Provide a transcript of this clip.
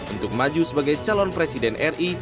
untuk maju sebagai calon presiden ri